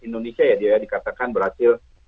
indonesia ya dikatakan berhasil